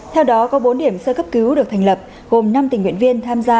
theo đó có bốn điểm sơ cấp cứu được thành lập gồm năm tình nguyện viên tham gia